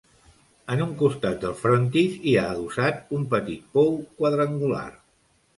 En un costat del frontis hi ha adossat un petit pou quadrangular.